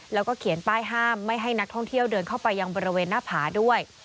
แล้วก็เขียนป้ายห้ามไม่ให้นักท่องเที่ยวเดินเข้าไปยังบริเวณหน้าผาด้วย